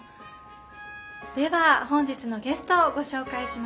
では本日のゲストをご紹介しましょう。